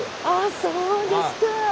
そうですか。